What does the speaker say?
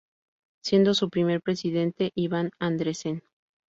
Siendo su primer Presidente Ivar Andresen.